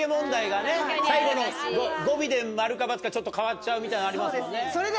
最後の語尾で○か×かちょっと変わっちゃうみたいなのありますもんね。